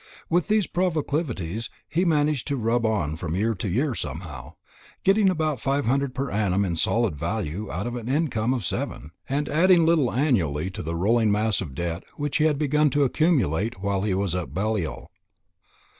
With these proclivities he managed to rub on from year to year somehow, getting about five hundred per annum in solid value out of an income of seven, and adding a little annually to the rolling mass of debt which he had begun to accumulate while he was at Balliol.